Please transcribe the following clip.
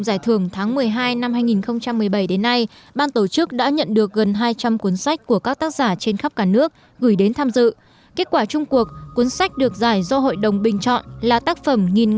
giải thưởng do công ty truyền thông chạm đọc phát động với tiêu chí tìm ra cuốn sách truyền cảm hứng